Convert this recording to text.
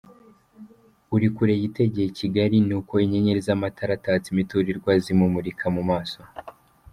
Uri kure yitegeye Kigali, ni uku inyenyeri z'amatara atatse imiturirwa zimumurika mu maso.